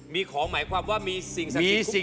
มีของหมายความว่ามีสิ่งศักดิ์สิทธิ์